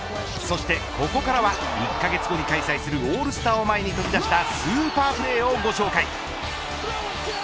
そしてここからは１カ月後に開催するオールスターズを前に飛び出したスーパープレーをご紹介。